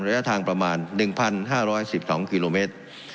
ระยะทางประมาณ๑๕๑๒กิโลเมตร